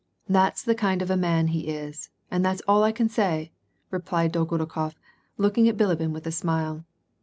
That's the kind of a man he is, and that's all I can say !" replied Dolgorukof, looking at Bilibin with a smile.